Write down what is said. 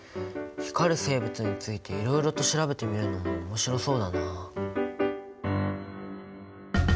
光る生物についていろいろと調べてみるのも面白そうだな。